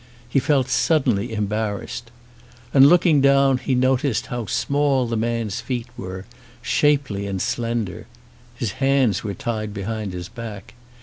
He felt sud denly embarrassed. And looking down he noticed how small the man's feet were, shapely and slender; his hands were tied behind his back.